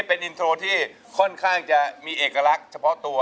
เป็นอินโทรที่ค่อนข้างจะมีเอกลักษณ์เฉพาะตัว